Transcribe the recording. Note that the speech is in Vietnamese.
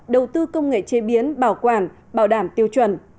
đầu tư công nghệ chế biến bảo quản bảo đảm tiêu chuẩn